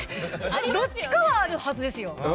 どっちかはあるはずですよ。